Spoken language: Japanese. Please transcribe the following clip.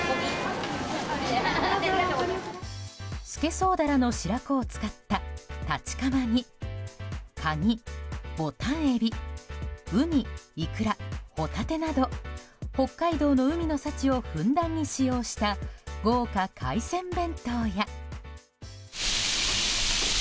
スケソウダラの白子を使ったたちかまにカニ、ボタンエビ、ウニイクラ、ホタテなど北海道の海の幸をふんだんに使用した、豪華海鮮弁当や。